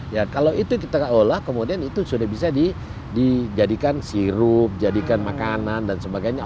ya kalau itu kita olah kemudian itu sudah bisa dijadikan sirup jadikan makanan dan sebagainya